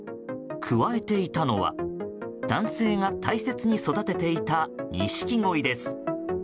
くわえていたのは男性が大切に育てていたニシキゴイです。